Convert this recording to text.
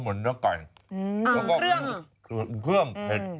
เหมือนเนื้อไก่อีกอย่างนึงก็คือเนี่ยแหละเนื้อจรักเทศ